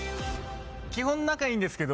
基本仲いいんですけど